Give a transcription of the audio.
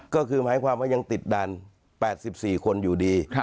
ก็คือหมายความว่ายังติดดัน๘๔คนอยู่ดี